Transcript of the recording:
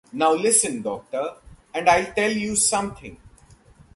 Now listen, Doctor, and I’ll tell you something.